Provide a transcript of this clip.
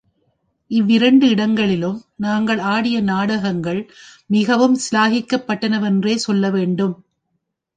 இவ்விரண்டு இடங்களிலும் நாங்கள் ஆடிய நாடகங்கள் மிகவும் சிலாகிக்கப்பட்டனவென்றே சொல்ல வேண்டும்.